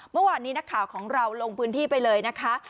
เมื่อวานนี้นักข่าวของเราลงพื้นที่ไปเลยนะคะ